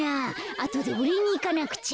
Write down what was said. あとでおれいにいかなくちゃ。